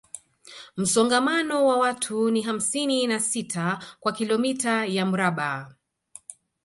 Msongamano wa watu ni hamsini na sita kwa kilomita ya mraba